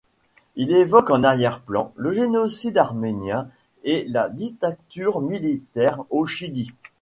Il évoque en arrière-plan, le génocide arménien et la dictature militaire au Chili.